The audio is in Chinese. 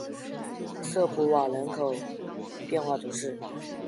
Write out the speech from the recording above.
瑟普瓦人口变化图示